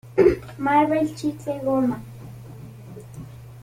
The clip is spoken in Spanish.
Livio lo vence.